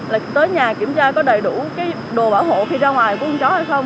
là tới nhà kiểm tra có đầy đủ cái đồ bảo hộ khi ra ngoài của con chó hay không